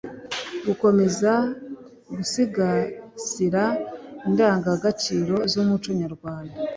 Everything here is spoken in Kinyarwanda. Gukomeza gusigasira indangagaciro z umuco Nyarwanda